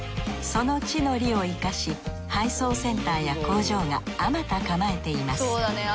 その地の利を生かし配送センターや工場があまた構えています。